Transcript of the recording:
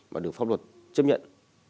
mà được pháp luật chấp nhận